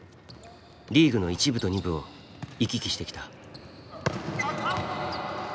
リーグの１部と２部を行き来してきた。